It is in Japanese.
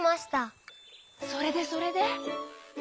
それでそれで？